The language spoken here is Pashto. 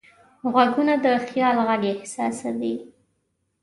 غوږونه د خیال غږ احساسوي